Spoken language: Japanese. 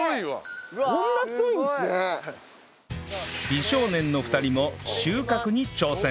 美少年の２人も収穫に挑戦